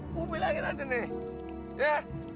gue bilangin aja nih ya